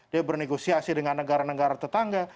dia bernegosiasi dengan negara negara tetangga